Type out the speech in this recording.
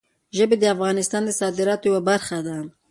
ژبې د افغانستان د صادراتو یوه برخه ده.